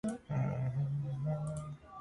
მდებარეობს სოფლის სასაფლაოს აღმოსავლეთით, ბორცვზე.